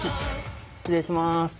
失礼します。